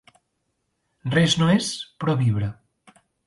Res no és, però vibra.